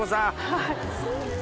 はい。